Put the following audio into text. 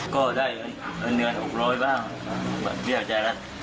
ก็ได้เงินหลายหกร้อยบ้างวันเบี้ยวใจรักษ์